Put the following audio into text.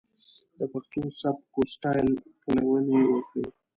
د پښتو سبک و سټايل پليوني وکړي.